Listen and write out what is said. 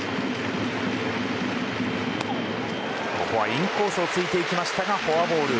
インコースをついていきましたがフォアボール。